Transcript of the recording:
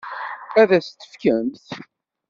Ad as-tt-tefkemt?